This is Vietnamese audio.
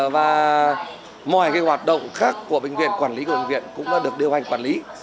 và mọi hoạt động khác của bệnh viện quản lý của bệnh viện cũng được điều hành quản lý